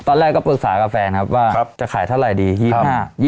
ตอนแรกก็ปรึกษากับแฟนครับว่าจะขายเท่าไหร่ดี